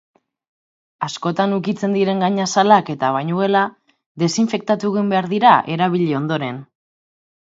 Askotan ukitzen diren gainazalak eta bainugela desinfektatu egin behar dira erabili ondoren.